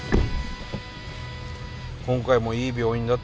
今回もいい病院だったね